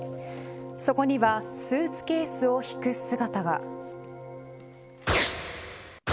そこにはスーツケースを引く姿が。